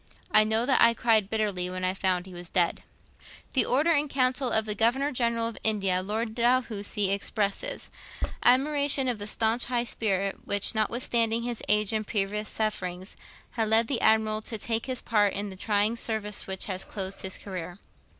I know that I cried bitterly when I found he was dead.' The Order in Council of the Governor General of India, Lord Dalhousie, expresses 'admiration of the staunch high spirit which, notwithstanding his age and previous sufferings, had led the Admiral to take his part in the trying service which has closed his career.'